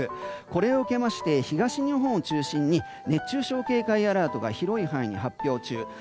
これを受けまして東日本を中心に熱中症警戒アラートが広い範囲に発表中。